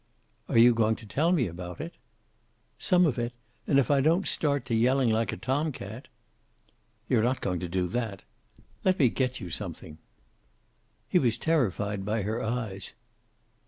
"Are you going to tell me about it?" "Some of it. And if I don't start to yelling like a tom cat." "You're not going to do that. Let me get you something." He was terrified by her eyes.